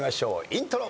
イントロ。